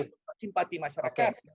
pada saat ini simpati masyarakat